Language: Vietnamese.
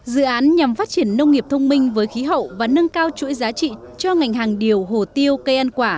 dự án nhằm phát triển nông nghiệp thông minh với khí hậu và nâng cao chuỗi giá trị cho ngành hàng điều hồ tiêu cây ăn quả